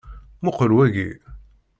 Muqqel waki.